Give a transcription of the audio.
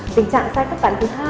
tình trạng sai khớp cắn thứ hai